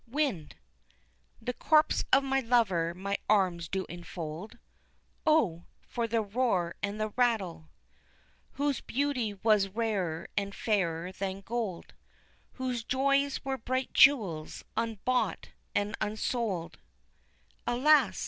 Wind. The corpse of my lover my arms do enfold, (Oh! for the roar and the rattle.) Whose beauty was rarer and fairer than gold, Whose joys were bright jewels, unbought and unsold, (Alas!